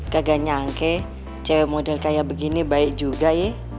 gagal nyangke cewek model kayak begini baik juga ye